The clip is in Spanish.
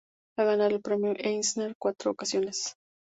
Ha ganado el Premio Eisner en cuatro ocasiones.